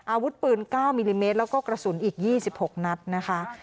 อาวุธปืน๙มิลลิเมตรแล้วก็กระสุนอีก๒๖นัดนะคะ